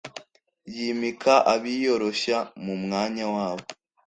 yimika abiyoroshya mu mwanya wabo